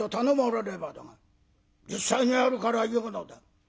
「実際にあるから言うのだ」。